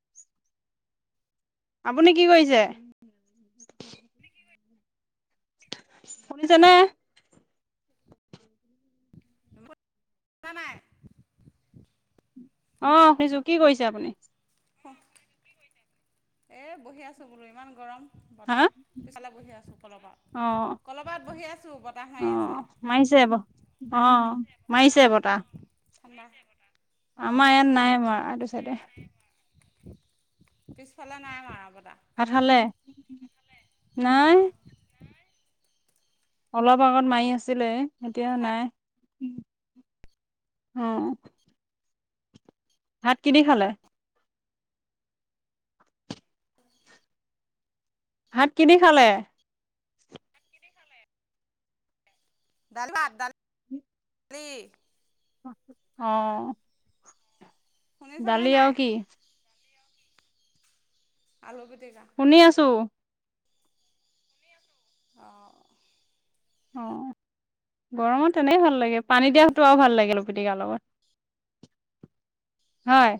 [inaudible] আপুনি কি কৰিছে? শুনিছানে? শুনা নাই। অঁ শুনিছো। কি কৰিছে আপুনি? এ বহি আছো বোলো। ইমান গৰম। হা? বতাহ, পিছফালে বহি আছো কলপাৰত। অ', কলপাৰত বহি আছো, বতাহ মাৰি আছে। সেই বহ। অঁ মাৰিছে বতাহ। ঠাণ্ডা। আমাৰ অঁ এয়াত নাই মৰা। সেইটো চাইতেহে পিছফালে নাই মৰা বতাহ। ভাত খালে? নাই। অঁ অলপ আগত মাৰি আছিলে। এতিয়া ভাত খাই নাই। অঁ-হ। ভাত কি দি খালে? ভাত কি দি খালে? ডাল- ভাত, [unintelligible] ডালি। অ'! শুনিছনে ডালি নাই আৰু কি? আলুগু শুনি আছোঁ। [inaudible] অ'! গৰমত তেনেকে ভাল লাগে! পানী দিয়াটো আৰু ভাল লাগে! আলুপিটিকাৰ লগত। হয়!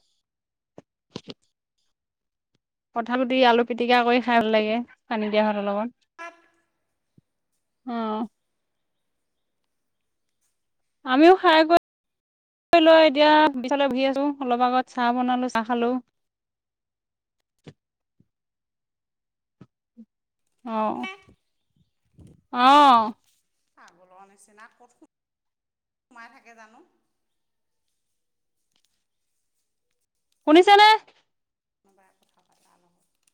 কঁঠাল গুটি, আলু পিটিকা কৰি খাই ভাল লাগে! পানী দিয়া ভাতৰ লগত। ভাত অ'! আমিও খায় গৈ [unintelligible] লৈ এতিয়া, পিছফালে বহি আছোঁ। অলপ আগত, চাহ বনালোঁ, চাহ খালোঁ। [inaudible] অ'! নে অ'! পাগলৰ নিচিনা, ক'ত সোমাই থাকে জানোঁ! শুনিছে নে? কোনোবাই কথা পাতা [unintelligible] লগত।